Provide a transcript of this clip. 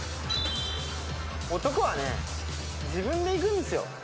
男はね、自分でいくんですよ。